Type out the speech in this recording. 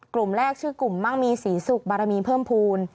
กลุ่มแรกชื่อกลุ่มมั่งมีศรีสุขบารมีเพิ่มภูมิ